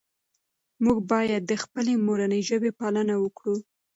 موږ باید د خپلې مورنۍ ژبې پالنه وکړو.